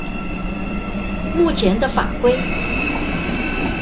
目前的法規